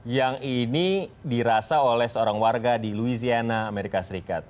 yang ini dirasa oleh seorang warga di louisiana amerika serikat